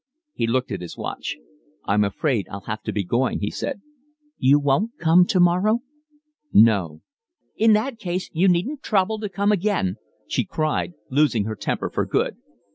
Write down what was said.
He looked at his watch. "I'm afraid I'll have to be going," he said. "You won't come tomorrow?" "No." "In that case you needn't trouble to come again," she cried, losing her temper for good.